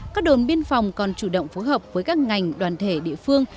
các đồn biên phòng còn chủ động phối hợp với các ngành đoàn thể địa phương